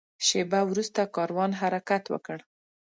شېبه وروسته کاروان حرکت وکړ.